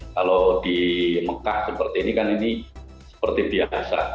kalau di mekah seperti ini kan ini seperti biasa